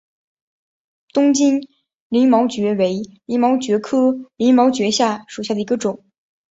东京鳞毛蕨为鳞毛蕨科鳞毛蕨属下的一个种。